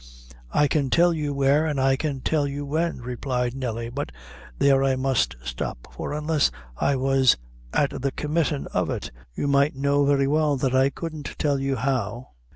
"I can tell you where, an' I can tell you when," replied Nelly; "but there I must stop for unless I was at the committin' of it, you might know very well I couldn't tell you how."